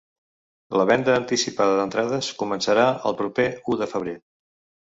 La venda anticipada d’entrades començarà el proper u de febrer.